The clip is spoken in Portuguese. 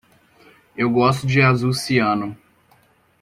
Eu gosto de azul ciano.